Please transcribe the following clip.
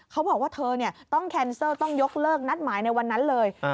เขาบอกว่าเธอต้องแคนเซิลต้องยกเลิกนัดหมายในวันนั้นเลย